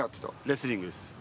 レスリングです。